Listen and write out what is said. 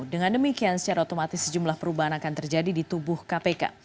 dengan demikian secara otomatis sejumlah perubahan akan terjadi di tubuh kpk